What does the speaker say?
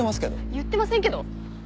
言ってませんけど。